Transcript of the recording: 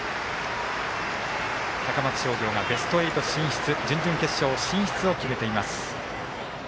高松商業がベスト８進出準々決勝進出を決めています。